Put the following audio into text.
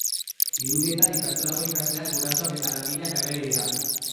Irudietan ikastolako ikasleak, gurasoak eta langileak ageri dira.